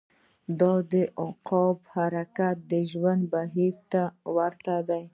• د عقربو حرکت د ژوند بهیر ته ورته دی.